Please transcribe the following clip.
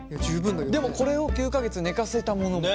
でもこれを９か月寝かせたものが。